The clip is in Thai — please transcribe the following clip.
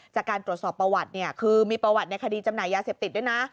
จากการตรวจสอบประวัติเนี่ยคือมีประวัติในคดีจำหน่ายยาเสพติดด้วยนะ